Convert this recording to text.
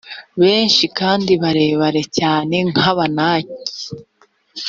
benshi, kandi barebare cyane nk’abanaki.